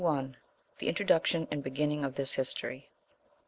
— The Introduction and Beginning of this History.